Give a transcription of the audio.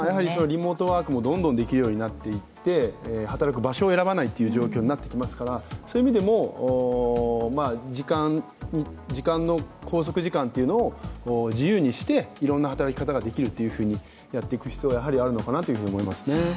リモートワークもどんどんできるようになっていって働く場所を選ばない状況になってきますから、そういう意味でも拘束時間を自由にしていろんな働き方ができるというふうにやっていく必要があるのかなと思いますね。